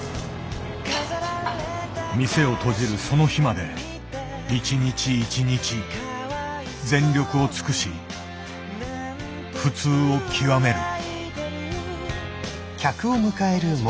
店を閉じるその日まで一日一日全力を尽くし「普通」を極める。